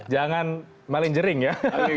jangan maling jering ya